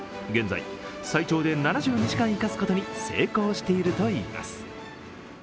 現在、最長で７２時間生かすことに成功しているといいます。